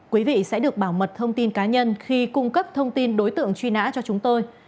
quý vị sẽ được bảo mật thông tin cá nhân khi cung cấp thông tin đối tượng truy nã cho chúng tôi